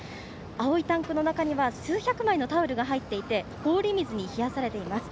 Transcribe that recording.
青いタンクの中には数百枚のタオルが入っていて氷水に冷やされています。